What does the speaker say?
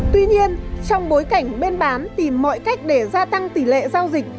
tuy nhiên trong bối cảnh bên bán tìm mọi cách để gia tăng tỷ lệ giao dịch